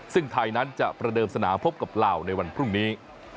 ซึ่งไทยนั้นจะประเดิมสนามพบกับลาวในวันพรุ่งนี้